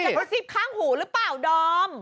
กระซิบข้างหูหรือเปล่าดอม